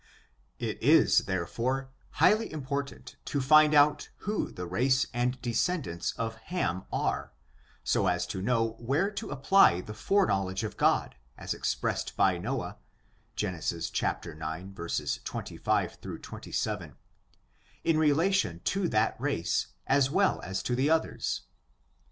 . It is, therefore, highly important to find out who the mce and descendants of Ham are, so as to know where to apply the foreknowledge of God, as express ed by Noah, Genesis ix, 25 — 27, in relation to thai race^ as well as to the others.